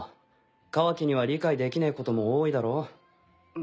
カワキには理解できねえことも多いだろ。